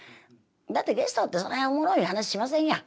だってゲストってそないおもろい話しませんやん。